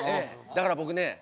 だから僕ね